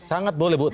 sangat boleh bu